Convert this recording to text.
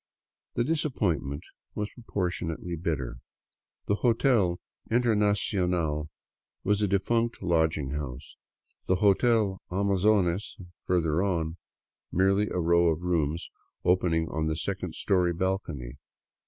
The disappointment was propor tionately bitter. The " Hotel Internacional " was a defunct lodging house, the " Hotel Amazonas," further on, merely a row of rooms opening on the second story balcony.